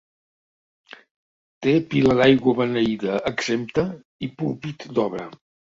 Té pila d'aigua beneïda exempta i púlpit d'obra.